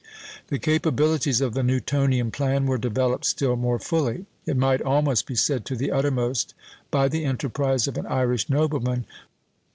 The capabilities of the Newtonian plan were developed still more fully it might almost be said to the uttermost by the enterprise of an Irish nobleman.